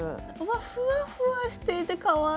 ふわふわしていてかわいい！